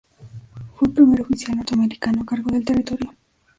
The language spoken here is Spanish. Fue el primer oficial norteamericano a cargo del territorio.